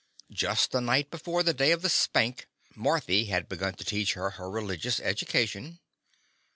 Just the night before the day of the Spank, Marthy had begun to teach her her religious education.